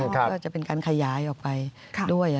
ก็จะเป็นการขยายออกไปด้วย